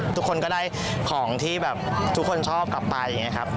ทุกคนก็ได้ของที่แบบทุกคนชอบกลับไปอย่างนี้ครับ